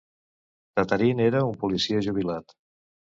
Tataryn era un policia jubilat.